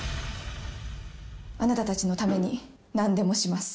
あなたたちのために何でもします。